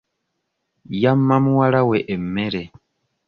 Yamma muwala we emmere.